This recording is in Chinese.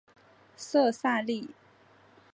色萨利。